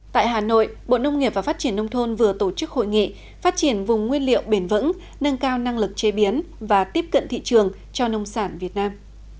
tại hà nội bộ nông nghiệp và phát triển nông thôn vừa tổ chức hội nghị phát triển vùng nguyên liệu bền vững nâng cao năng lực chế biến và tiếp cận thị trường cho nông sản việt nam